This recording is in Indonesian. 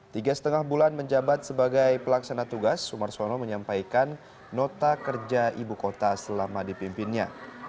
tiga setengah bulan menjabat sebagai pelaksana tugas sumar sono menyampaikan nota kerja ibu kota selama dipimpinnya